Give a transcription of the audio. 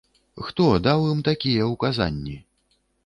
Хто даў ім такія ўказанні?